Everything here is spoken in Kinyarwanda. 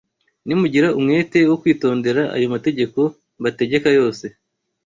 Nimugira umwete wo kwitondera ayo mategeko mbategeka yose,